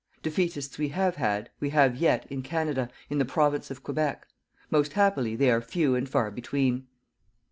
"Defeatists" we have had, we have yet, in Canada, in the Province of Quebec. Most happily, they are few and far between.